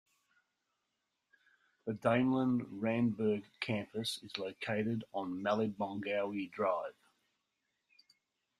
The Damelin Randburg campus is located on Malibongwe Drive.